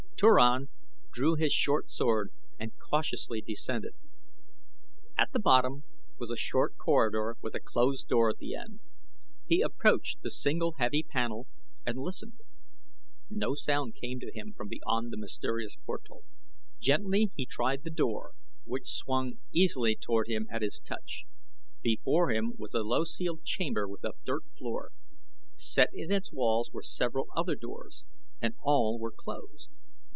Turan drew his short sword and cautiously descended. At the bottom was a short corridor with a closed door at the end. He approached the single heavy panel and listened. No sound came to him from beyond the mysterious portal. Gently he tried the door, which swung easily toward him at his touch. Before him was a low ceiled chamber with a dirt floor. Set in its walls were several other doors and all were closed.